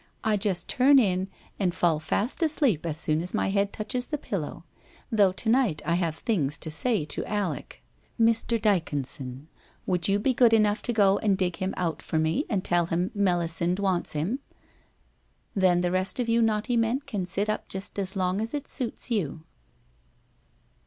' I just turn in, and fall fast asleep as soon as my head touches the pillow. Though to night I have things to say to Alec. Mr. Dyconson, would you be good enough to go and dig him out for me and tell him Melisande wants him. Then the rest of you naughty men can sit up just as long as it suits you.'